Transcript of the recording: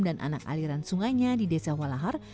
dan anak aliran sungainya di desa walahar